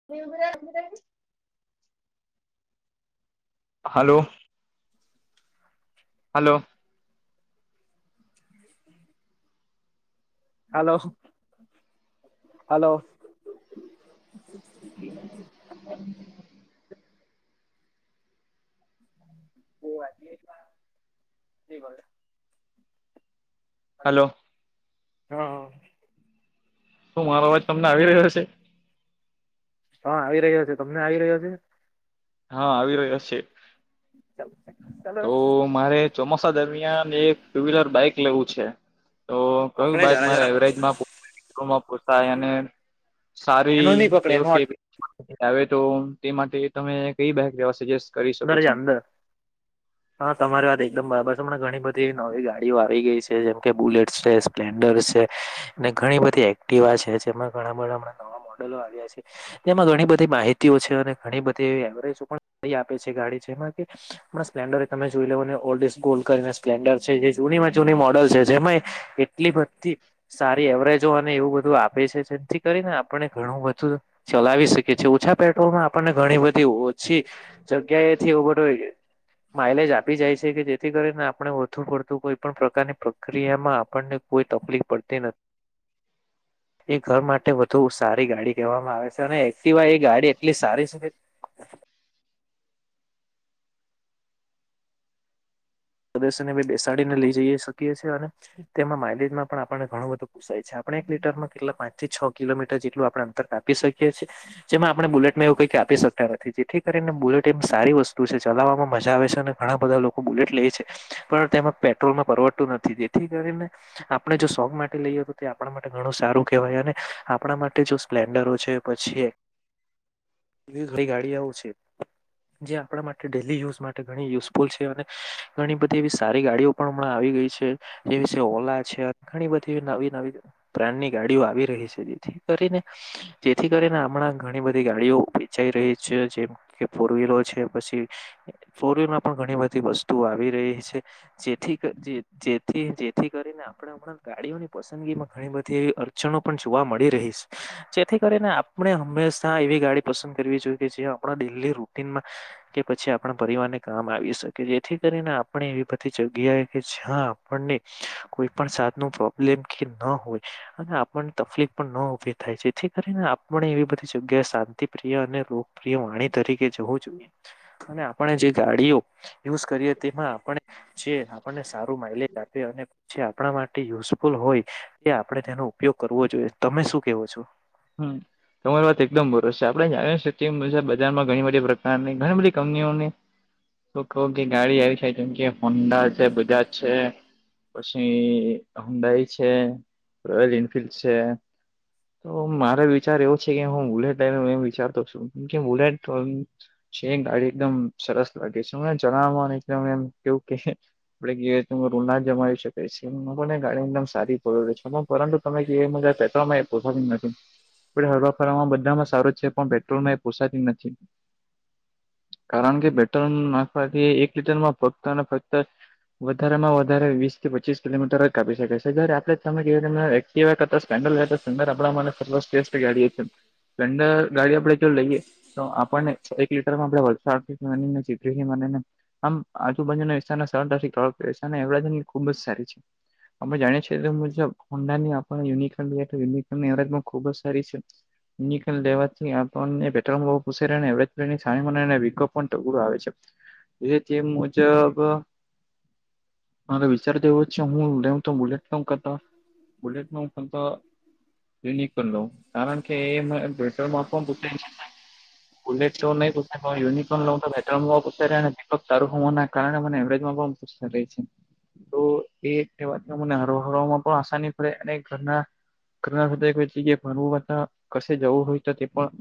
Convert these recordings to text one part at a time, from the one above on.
[inaudible] હાલો. Hello. [inaudible] હાલો-હાલો. [inaudible] [inaudible] Hello. હા, હા. શું મારો અવાજ તમને આવી રહ્યો સે? હા આવી રહ્યો સે. તમને આવી રહ્યો સે? હા આવી રહ્યો સે. ચ [inaudible] [unintelligible] તો મારે ચોમાસા દરમિયાન એક ટુ વ્હીલર બાઈક લેવું છે તો કયું પકડે બાત જરા મારા જરા એવરેજમાં માં પોસાય અને એનો સારી નહી પકડે એવું એનો કે આવે તો તે માટે તમે કઈ બેક લેવા સજેસ્ટ કરી શકો રે કે છો અંદ [unintelligible] [inaudible] [unintelligible] હા તમારી વાત એકદમ બરાબર છે હમણા ઘણી બધી નવી ગાડીઓ આવી ગઈ છે જેમ કે બુલેટ છે સ્પ્લેન્ડર છે અનેને ઘણી બધી એક્ટિવા છે જેમાં ઘણા બધા હમણાં નવા મોડલો આવ્યા છે એમાં ઘણી બધી માહિતીઓ છે અને ઘણી બધી એવરેજ છે ગાડી છેમાં કે હ સ્પ્ન્ડર એ તમે જોઈ લેવને ઓલ્ડ ગોલ્ડ કરીને સ્પ્લેન્ડર છે જે જૂનીમાં જૂની મોડલ છે જેમાં એટલી બધી સારી એવરેજો અને એવું બધું આપે છે જેથી કરીને આપને ઘણું બધું ચલાવી શકીએ છીએ ઓછા પેટ્રોલ માં આપણને ઘણી બધી ઓછી જગ્યા એથી ઉભટ હોય ગ માઇલેજ આપી જાય છે કે જેથી કરીને આપણે ઓથું પડતું કોઈ પણણ પ્રકારની પ્રક્રિયામાં આપણને કોઈ તકલીફ પડતી નથી હ [inaudible] [unintelligible] એ ઘર માટે વધુ સારી ગાડી કહેવામાં આવે છે અને એક્ટિવાય એ ગાડી એટલી સારી સુ પ્રદર્શને બેસાડીને લઈ જઈ શકીએીએ અને તેમાં માઇલેજ માં પણ આપને ઘણું બધું આપણે એક લીટરમાં કેટલા પાંચ થી છ કિલોમીર જેટલું આપણે અંતર કાપી શકીએ છીએ જેમાં આપણે બુલેટમાં એવું કઈક આપી શકતા નથી જેથી કરીને બુલેટ એમ સારી વસ્તુ છે ચલાવવામાં મજા આવે છે ને ઘણા બધા લોકો બુલેટ લે છે પણ તેમાં પેટ્રોલમાં પરવડતું નથી તેથી કરીને આપણે જો શોખ માટે લઈએ તો તે આપણા માટે ઘણું સારું કહેવાય. અને આપણા માટે જો સ્પ્લેન્ડરો છે પછી એ [inaudible] એ ઘણી ગાડી આવશે. જે આપણા માટે ડેલી યુઝ માટે ઘણી યુઝફુલ છે, અને ઘણી બધી એવી સારી ગાડીઓ પણ હમણાં આવી ગઈ છે એવી છે, ઓલા છે ઘણી બધી નવી નવી બ્રાન્ડની ગાડીઓ આવી રહી છે, જેથી કરીને જેથી કરીને હમણાં ઘણી બધી ગાડીઓ વેચાઈ રહી છે, જે કે ફોર વ્હીલ હોય છે, પછી ફોર વ્હીલમાં પણ ઘણી બધી વસ્તુ ઓ આવી રહી છે. જેથી કરી જેથી, જેથી કરીને આપણે ગાડીઓની પસંદગીમાં ઘણી બધી એવી અડચણો પણ જોવા મળી રહી છે. જેથી કરીને આપણે હંમેશા એવી ગાડી પસંદ કરવી જોઈએ, કે જે આપણા ડેલી રૂટીનમાં કે પછી આપણા પરિવારને કામ આવી શકે જેથી કરીને આપણે એવી બધી જગ્યાએ, કે જ્યાં આપણને કોઈ પણ જાતનું લેમ કે ના હોય. અને આપણને તપલીફ પણ ન ઉભી થાય, જેથી કરીને આપણે એવી બધી જગ્યાએ શાંતિપ્રિય અને રોગ પ્રિય વાણી તરીકે જવું જોઈએ. અને આપણે જે ગાડીઓ યુઝ કરીએ, તેમાં આપણે જે આપણને સારું માઇલેજ આપે અને જે આપણા માટે યુઝફુલ હોય, એ આપણે તેનો ઉપયોગ કરવો જોઈએ. તમે શું કેવો છો? હં. તમારી વાત એકદમ બરોબર છે. આપણે જાણીએ છે તેમ, બજારમાં ઘણી બધી પ્રકારની, ઘણી બધી કંપનીઓની તો કવ કે ગાડી આવી જાય, કેમ કે હોંડા છે, બજાજ છે પછી હુંડાઈ છે, રોયલ એનફિલ્ડ છે. તો મારે વિચાર એવો છે કે હું બુલેટ લઈ લઉં, એવું વિચારતો છું. કેમ કે બુલેટ છે ગાડી એકદમ સરસ લાગે છે. હમણા જણાવા પ્રમાણે એકદમ એમ કેવું કે આપડે ગઈએ તો રૂલ ના જમાવી શકીએ છીએ. લોકોને ગાડી એકદમ શું સારી પરવડે છે, પરંતુ તમે કીયુ એમ [unintelligible] પેટ્રોલમાં એ પોસાતી જ નથી. પણ હરવા ફરવામાં બધામાં સારો જ છે, પણ પેટ્રોલમાં એ પોસાાતી નથી. કારણ કે પેટ્રોલ નાખવાથી એક લીટરમાં ફક્ત ને ફક્ત વધારે માં વધારે વીસ થી પચીસ કિલોમીટર જ કાપી શકે છે, જ્યારે આપડે જ તમે કીયુ [unintelligible] તેવા કરતા સ્ટાન્ડર્ડ રહેતા સ્ટાર્ન્ડ આપડા માટે [unintelligible] સ્પેસ ફ્રી ગાડી એકદમ થંડર ગાડી આપડે જો લઈએે તો આપણને એક લીટરમાં આપણે વલસાડથી માંડીને, ને ચીખલીથી માંડીને આમ આજુબાજુના વિસ્તારને સરળતાથી કવર કરે છે, અને એવરેજ એની ખૂબ જ સારી છે. આપણે જાણીએ છે, તે મુજબ હોન્ડાની આપણે યુનિકોન લીએ તો યુનિકોનની એવરેજ પણ ખુબ જ સારી છે. વિહિકલ લેવાથી આપણને [unintelligible] અને એવરેજ પણ સારી મળે અને પીકઅપ પણ તગડું આવે છે. એ તે મુજબ મારે વિચાર તો એવો જ છે, હું લેવું તો બુલેટમાં કરતા બુલેટમાં હું કેમ તો યુનિકોર્ન લઉં, કારણ કે એ મા [unintelligible] [unintelligible] પિક અપ તારું હોવા ના કારણે મને એવરેજમાં પણ [unintelligible] રેય છે. તો એ તેવા માં મને અરવા હરવામાં પણ આસાની પડે, અને ઘરના [unintelligible] કસે જવું હોય તો તે પણ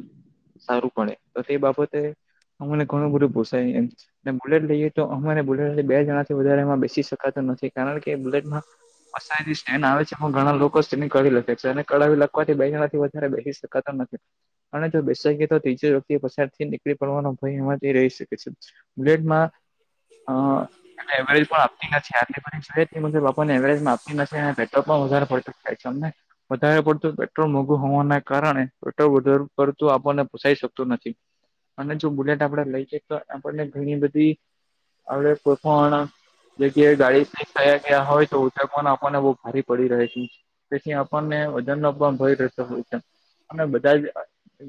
સારું પડે, તો તે બાબતે અમને ઘણું બધું પોસાય એમ છે. ને, બુલેટ લઈએ તો અમારે બુલેટ બે જણાથી વધારે એમાં બેસી શકાતો નથી. કારણ કે બુલેટમાં અ સાઇડ સ્ટેન્ડ આવે છે પણ ઘણા લોકો [unintelligible] તેની કઢાવી લાખે છે, અને કઢાવી લાખવાથી બે જણાથી વધારે બેસી શકાતો નથી અને જો બેસાઈ ગ્યું તો ત્રીજી વ્યક્તિ પછાડથી નીકળી પડવાનો ભય એમાંથી રહી શકે છે. બુલેટમાં. હા. એવરેજ પણ આપતી નથી, [unintelligible] એવરેજમાં આપતી નથી અને પેટ્રોલ પણ વધારે પડતી ખાય. તમને વધારે પડતું પેટ્રોલ મોંઘું હોવાના કારણે, પેટ્રોલ વધારે પડતું આપણને પોસાઈ શકતું નથી. અને જો બુલેટ આપણેે લઈયે, તો આપણને ઘણી બધી હડ પ્રથના [unintelligible] જેગ ગાડી ફક થયા ગયા હોય તો ઉ પણ આપણને બહ ભ પડી રહે છે, તેથી આપણને વજન આપવામાં ભય રહેશે છે. અનેમે બધા જ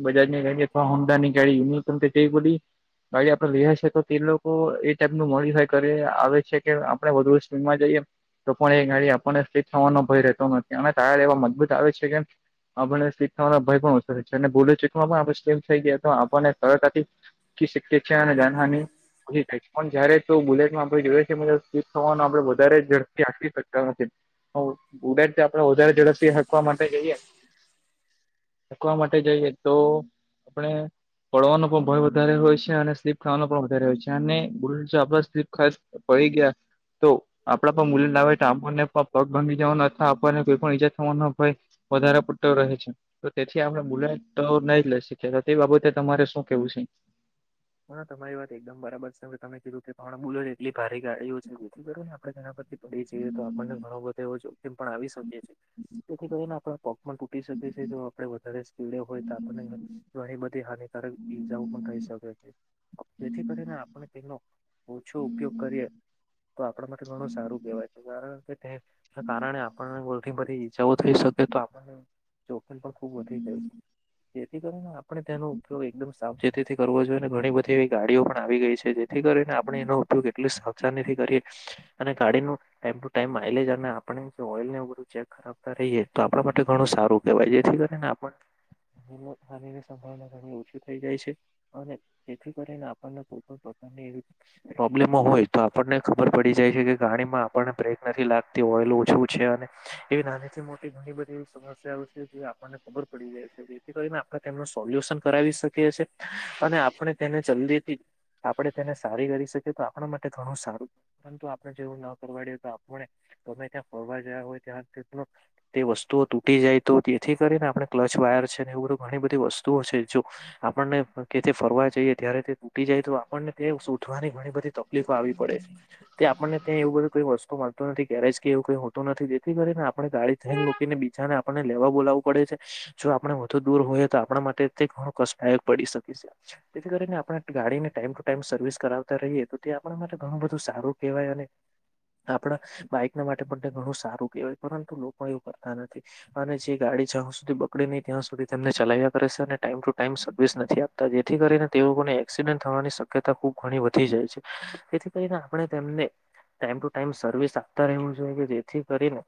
બધાજ ને ક હમદા નીકાળી મ તે બોલી [unintelligible] ગાડી આપડે લે્યાી તો તે લોકો એ ટાઈપ ન મળડી હોાઈ કરી આવે છે કે આપડણે વધુ સ્પીડમાં જઈએ. તો પણ એ ગાડી આપણને સીટ થવાનો ભય રહેતો નથી અને ટાયર એવા મજબૂત આવે છે કે આપને શીખવાનો ભય પણ ઓછરે છે અને બોલે છે. પણ આપ સમ થઈ ગયા, તો આપણને તકથી શ શિક્ષ અને જાનહાનીછ પણ જયારે તો બુલેટમાં આપણે જોઈએ છીબ યુ થવાનું આપડે વધારે ઝડપથી આપી શકતા નથી. ઉડટ આપડે વધારે ઝડપથી હકવા માટે જઈએ. રકવા માટે જઈએ તો આપણે પડવાનો પણ ભય વધારે હોય છે અને સ્લીપ ખાવાનો પણ વધારે હોય છે અને બ આપ સ્લીપ ખાસ પયી ગયા? તો આપડા પણ મુલ ના હોય તો આપણને પણ પગ ભાંગી જવાના અ આપણને કોઈ પણ ઈજા થવા હોય. [unintelligible] વધારે પુટતો રહે છે, તો તેથી આપડ બુલેટ તો નહી લઈ શખ તો તે બાબતે તમારે શું કેવું છે. હ તમારી વાત એકદમ બરાબર છે હ તમે કીધું કે કોણ બોલો છે. એટલી ભારી ગાડીઓ છે જેથી કરી ને આપણે ઘના પરથી પડી જઈએ તો આપણને ઘણો બધો એવ જોખીમ પણ આવી શકીએ છીએ. તેથી કરીને આપણે પગ પણ તૂટી શકી છે જો આપડે વધારે સ્પીડે હોય તો આપણને તો એહી બધી હાનિકારક ઈજાઓ પણ થઈ શકે છે. જેથી કરીને આપણે તેનો ઓછો ઉપયોગ કરીએ. તો આપણા માટે ઘણું સારું કેહેવાય કારણ કે, કારણે આપણ ગોલથી બધી જવું થઈ શકે તો આપણ જોખમ પણ ખુબ વધી જાય છે, જેથી કરીને આપણે તેનો ઉપયોગ એકદમ સાવચેતીથી કરવો જોઈએ અને ઘણી બધી એવી ગાડીઓ પણ આવી ગઈ છે જે થી કરીને આપણે એનો ઉપયોગ એટલી સાવચાથી કરીએ. અને ગાડીનું ટાઈમ ટુ ટાઈમ માઇલેજ અને આપણે જે ઓઈલરું ચેક કરતા રહીએ તો આપણા માટે ઘણું સારું કેવાય જેથી કરી ને આપણને આપણને ત્યાં તેવી સફળતા તેની ઓછી થઈ જાય છે અને જેથી કરીને આપણને કોઈપણ પ્રકારની એવી પ્રોબ્લેમો હોય તો આપણને ખબર પડી જાય છે કે ગાડીમાં આપણને બ્રેક નથી લાગતી હોઈલ ઓછું છે અને એવી નાની થી મોટી ઘણી બધી એ સમસ્યાઓ છે જે આપણને ખબર પડી જાય છે. જેથી કરીને આપણે તેમનું સોલ્યુશન કરાવી શકીએ છીએ અને આ આપણે તેને જલ્દીથી આપણે તેને સારી કરી શકીએ તો આપણા માટે ઘણું સારું. પરંતુ આપણે જેવું ના કરવાડ્યું તો આપણે તમે ત્યાં ફરવા જયા હોય ત્યાં કેટલું તે વસ્તુઓ તૂટી જાય તો તેથી કરીને આપણે ક્લચ વાયર છે ને એવું બધું ઘણી બધી વસ્તુઓ છે જો આપણને કેથી ફરવા જઈએ જ્યારે તે તૂટી જાય તો આપણને તે શોધવાની ઘણી બધી તકલીફો આવી પડે છે. તે આપણને ત્યાં એવું બધું કોઈ વસ્તુ મળતું નથી ગેરેજ કે એવું કઈ હોતું નથી તેથી કરી ને આપણે ગાડી થઈને મુકીને બીજાને આપણને લેવા બોલાવું પડે છે જો આપણે વધુ દૂર હોઈએ તો આપણા માટે તે ઘણું કષદાયક પડી શકે છે. તેથી કરીને આપણે ગાડીને ટાઈમ ટુ ટાઈમ સર્વિસ કરાવતા રહીએ તો તે આપણા માટે ઘણું બધું સારું કહેવાય અને આપણા બાઈક ના માટે પણ ઘણું સારું કહેવાય પરંતુ લોકો પણ એવું કરતા નથી. અને જે ગાડી જ્યાં સુધી બગડે નહી ત્યાં સુધી તેમને ચલાવ્યા કરે છે અને ટાઈમ ટુ ટાઈમ સર્વિસ નથી આપ તા જેથી કરીને તે ઓને એક્સિડેન્ટ થવાની શક્યતા ખુબ ઘણી વધી જાય છે તેથી કરીને આપણે તેમને ટાઈમ ટુ ટાઈમ સર્વિસ આપતા રહેવું જોઈએ કે જેથી કરીને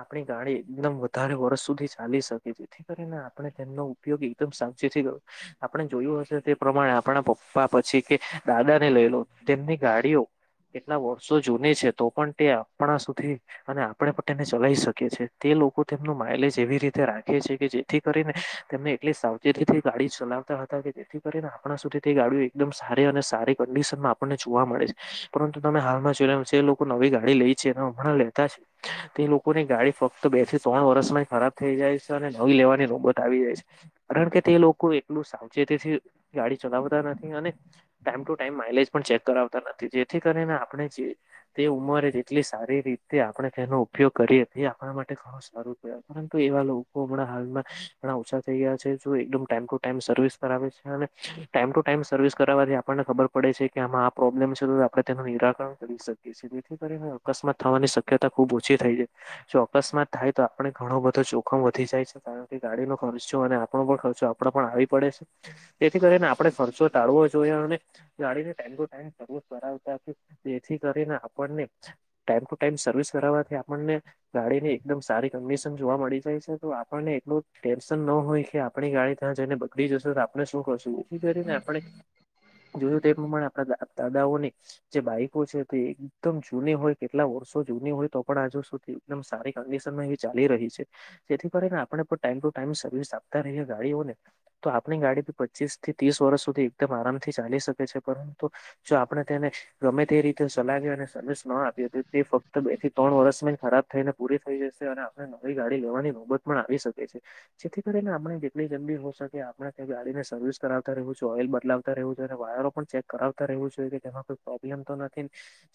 આપણી ગાડી એકદમ વધારે વર્ષ સુધી ચાલી શકે છે જેથી કરીને આપણે તેમનો ઉપયોગ એકદમ સાવચેથી કરવો આપણે જોયું હશે પ્રમાણે આપણા પપ્પા પછી કે દાદા ને લઈ લો તેમની ગાડીઓ કેટલા વર્ષો જૂની છે તો પણ તે આપણા સુધી અને આપણે પોતાને ચલાવી શકીએ છે. તે લોકો તેમનું માઇલેજ એવી રીતે રાખે છે કે જે થી કરીને તેમને એટલી સાવચેતીથી ગાડી ચલાવતા હતા કે જેથી કરીને આપણા સુધી તે ગાડીઓ એકદમ સારી અને સારી કન્ડિશન માં આપણને જોવા મળે છે. પરંતુ તમે હાલમાં જોયા જે લોકો નવી ગાડી લેઈ છે અને હમણાં લેતા છે તે લોકો ની ગાડી ફક્ત બે થી ત્રણ વર્ષમાં ખરાબ થઈ જાય છે, અને નવી લેવાની નોબત આવી જાય છે. કારણ કે તે લોકો એટલું સાચેતીથી ગાડી ચલાવતા નથી. અને ટાઈમ ટુ ટાઈમ માઇલેજ પણ ચેક કરાવતા નથી, જેથી કરીને આપણે જે તે ઉંમરે જેટલી સારી રીતે આપણે તેનો ઉપયોગ કરીએ તે આપણા માટે ઘણો સારું થયા, પરંતુ એવા લોકો હમણાં હાલમાં ઘણા ઓછા થઇ ગયા છે, જો એકદમ ટાઈમ ટુ ટાઈમ સર્વિસ કરાવે છે અને ટાઈમ ટુ ટાઈમ સર્વિસ કરાવવાથી આપણને ખબર પડે છે કે આમાં આ પ્રોબ્લેમ છે, તો આપણે તેનું નિરાકરણ કરી શકીએ. જે જેથી કરીને અકસ્માત થવાની શક્યતા ખુબ ઓછી થાય છે. જો અકસ્માત થાય તો આપણે ઘણો બધો જોખમ વધી જાય છે, કારણ કે ગાડીનોો ખર્ચો અને આપણો પણ ખર્ચો આપણા આવી પડે છે. તેથી કરીને આપણે ખર્ચો ટાળવો જોઈએ અને ગાડીને ટાઈમ ટુ ટાઈમ [inaudible] તેથી કરીને આપણને ટાઈમ ટુ ટાઈમ સર્વિસ કરાવવાથી આપણને ગાડીની એકદમ સારી કન્ડિશન જોવા મળી જાય છે, તો આપણને એટલું ટેન્શન નો હોય કે આપ પણી ગાડી ત્યાં જઈને બગડી જશે તો આપણે શું કરશું? તેથી કરીને આપણે જોયું તો એ પ્રમાણે આપણા દા દાદાઓને જે બાઈકો છે, તો એકદમ જૂની હોય, કેટલા વર્ષો જૂની હોય તો પણ આજુ સુધી એકદમ સારી કંડિશનમાં એવી ચાલી રહી છે. જેથી કરી ને આપણે પણ ટાઈમ ટુ ટાઈમ સર્વિસ આપતા રહીએ ગાડીઓને, તો આપણી ગાડી પચીસ થી તીસ વર્ષ સુધી એકદમ આરામથી ચાલી શકે છે. પરંતુ જો આપણે તેને ગમે તે રીતે સલાહી અને સર્વિસ નહીં આપીએ તો તે ફક્ત બે થી તણ વર્ષમાં જ ખરાબ થઈને પૂરી થઈ જશે, અને આપણે નવી ગાડી લેવાની નોબત પણ આવી શકે છે. જેથી કરીને આપણે જેટલી જલ્દી હો શકે આપણે તે ગાડીને સર્વિસ કરાવતા રહેવું જોઈએ, ઓઇલ બદલાવતા રહું જોઈએ અને વાયરો પણ ચેક કરાવતા રહેવું જોઈએ કે જેમાં કોઈ પ્રોબ્લેમ તો નથીન.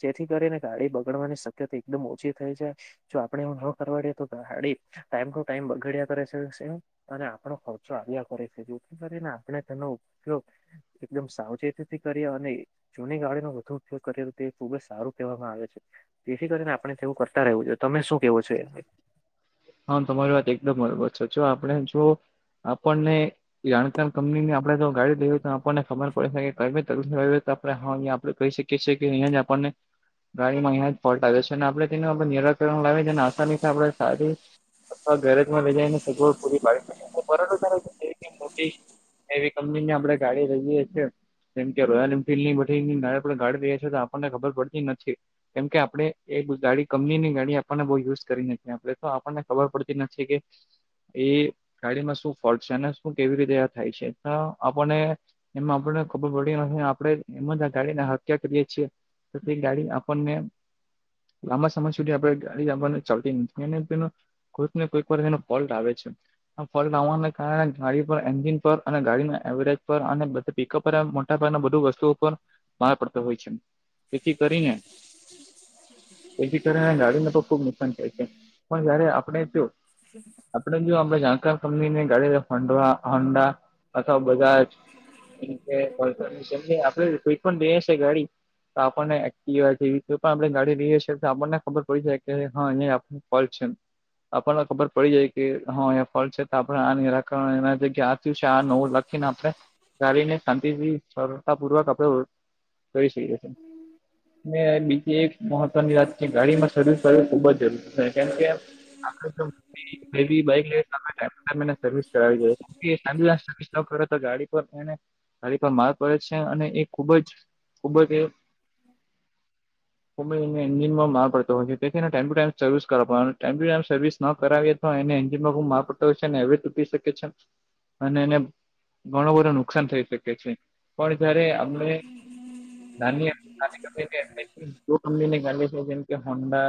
જેથી કરીને ગાડી બગાડવાની શક્યતા એકદમ ઓછી થાય છે. જો આપડે એવું ન કરવા રહીએ તો [unintelligible] ટાઈમ ટુ ટાઈમ બગડ્યા કરે સે-સે, અને આપણો ખર્ચો આવ્યા કરે સે. જેથી કરીને આપ પણે તેનો ઉપયોગ એકદમ સાવચેતીથી કરીએ, અને ઈ જૂની ગાડી નો વધુ ઉપયોગ કરીએ તો તે ખુબ જ સારું કહેવામાં આવે છે. જેથી કરીને આપણે તેવું કરતા રહેવું જોઈએ. તમે શું કહેવું છે [unintelligible] હા તમારી વાત એકદમ બરોબર છે. જો આપણે જો આપણને જાણકાર કંપની ની આપણેે જો ગાડી લઈવી હોય તો આપણને ખબર પડે સે કે [unintelligible] આપણે કહી શક કીએ છે કે અહીયાં જ આપણ ને ગાડીમાં અહીયાં જ ફોલ્ટ આવે છે. અને આપણે તેના ઉપર નિરાકરણ લાવી અને તેને આસાનીથી આપડે સારી અથવા ગેરેજમાં લઈ જાય ને સગવડ પૂરી પાડી [inaudible] પરંતુ [inaudible] એવી કંપની ની આપડે ગાડી લઈએ છે જેમ કે રોયલ એન્ફિલ્ડ ની બધી [unintelligible] લઈએ છીએ તો આપણને ખબર પડતી નથી. કેમ કે આપણેે એ ગાડી કંપનીની ગાડી આપણને બહુ યુઝ કરવી ન ને આપડે તો આપણને ખબર પડતી નથી કે એ ગાડીમાં શું ફોલ્ટ છે, અને શું કેવી રીતે આ થાય છે. ના આપણને એમાં આપણને ખબર પડી નથી આપડે એમ જ આ ગાડીને હાંક્યા કરીએ છીએ. તો તે ગાડી આપણને લાંબા સમય સુધી આપણે ગાડી આપણને ચાલતી નથી. એને તેનો કોઈક ને કોઈક વાર એનો ફોલ્ટ આવે છે. આ ફલટ આવવાને કારણે ગાડી પર, એન્જિન પર, અને ગાડીના એવરેજ પર અને બધા પીકપરા મોટા પાગણના બધુ વસ્તુ ઉપર માર પડતો હોય છે. એથી કરીને એથી કરીને ગાડીને પણ ખુબ નુકસાન થાય છે. પણ જયારે આપણે જો હ [unintelligible] આપડે જો આપ જાંખ કંપની ને ગાડીવા હોંડા અથવા બધા જ. એમમ આપડે સ્ઈટ પણ બેઈશે ગાડી. તો આપણને એક્ટીવા જેવી પણ આપણે ગાડી રહીએ છીએ તો આપણને ખબર પડી જાય કે અને આમ. ફળ છે આપણને ખબર પડી જાય કે હા અયા ફળ છે તો આપ આ નિરાકરણ એ કયા થીજ છે નવું લખીને આપણે ગાડીને શાંતિથી પૂર્વક આપડે જોઈ શકીએ છીએ. મે બીજી એક મહત્વની વાત છે ગાડી માં સર્વિ કરવી ખુબ જરૂર છે. કેમ કેમ આપડે પેલી બાઈક લઈ ટાઈ સર્વિસ કરાવવી જોઈએ. કે આટલા સકંસમ ભરો તો ગાડી પર એને ગાડી પર માર પડે છે અને એ ખુબ જ. ખુબજ કે એન્જ માં પડતો હોય છેને ટાઈમ ટુ ટાઈમ. સર્વિસ કરાવ ટાઈમ ટુ ટાઈમ સર્વિસ ના કરાવીએ તોવા એને એન્જિનમાં બુ માર પડતો હોય છે અને હવે તૂટી શકે છે. અને એને ઘણો બધો નુકસાન થઈ શકે છે પણ જયારે આપણે. નીપની કંપનીને કાે છે જેમ હોન્ડા